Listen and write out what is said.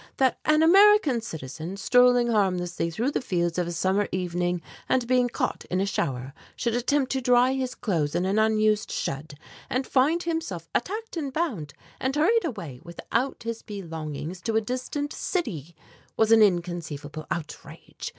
That an American citizen, strolling harmlessly through the fields of a summer evening, and being caught in a shower, should attempt to dry his clothes in an unused shed, and find himself attacked and bound, and hurried away without his belongings to a distant city, was an inconceivable outrage.